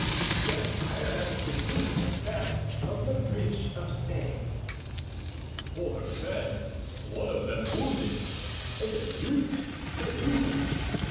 "Yes, sire; as complete as that of the Bridge of Ce." "Four men, one of them wounded, and a youth, say you?"